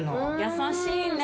優しいね。